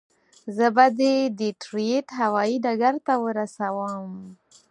زه به دې ډیترویت هوایي ډګر ته ورسوم.